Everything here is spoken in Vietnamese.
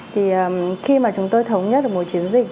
thì khi mà chúng tôi thống nhất được một chiến dịch